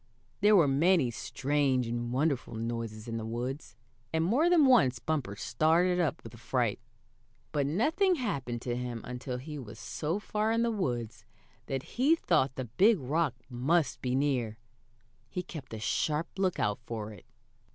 There were many strange and wonderful noises in the woods, and more than once Bumper started up with fright. But nothing happened to him until he was so far in the woods that he thought the big rock must be near. He kept a sharp lookout for it.